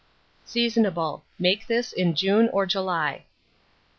Seasonable. Make this in June or July.